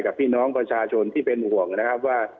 กับพี่น้องประชาชนที่เป็นห่วงว่า